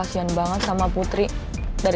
sandiwara kamu terbongkar